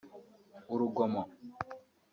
urugomo